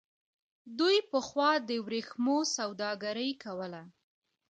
دوی پخوا د ورېښمو سوداګري کوله.